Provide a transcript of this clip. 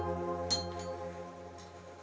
kujang pusaka kehormatan tanah